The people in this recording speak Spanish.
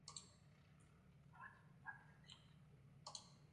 Nunca han participado en la Primeira Liga.